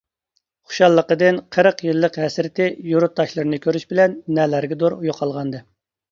خۇشاللىقىدىن قىرىق يىللىق ھەسرىتى يۇرتداشلىرىنى كۆرۈش بىلەن نەلەرگىدۇر يوقالغانىدى.